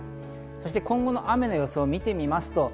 そして今後の雨の予想を見てみます。